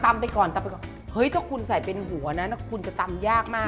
ไปก่อนตำไปก่อนเฮ้ยถ้าคุณใส่เป็นหัวนะคุณจะตำยากมาก